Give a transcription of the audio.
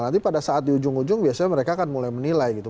nanti pada saat di ujung ujung biasanya mereka akan mulai menilai gitu